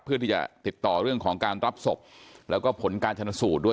เพื่อที่จะติดต่อเรื่องของการรับศพแล้วก็ผลการชนสูตรด้วย